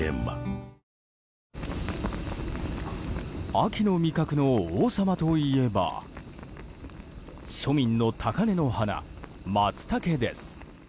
秋の味覚の王様といえば庶民の高嶺の花、マツタケです。